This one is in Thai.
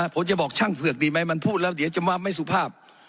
ผมจะบอกช่างเผือกดีไหมมันพูดแล้วเดี๋ยวจะว่าไม่สุภาพ